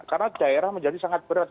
karena daerah menjadi sangat berat